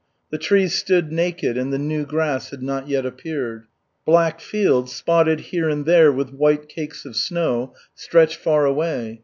The trees stood naked and the new grass had not yet appeared. Black fields, spotted here and there with white cakes of snow, stretched far away.